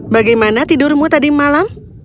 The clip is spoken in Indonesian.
bagaimana tidurmu tadi malam